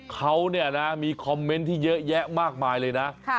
เขามีคอมเม้นท์ที่เยอะแยะมากมายเลยนะ